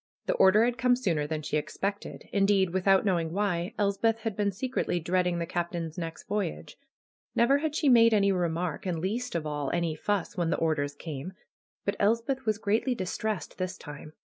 The order had come sooner than she expected. Indeed, without knowing why, Elspeth had been secretly dread ing the Captain's next voyage. Never had she made any remark, and, least of all, any fuss when the orders came. But Elspeth was greatly distressed this time.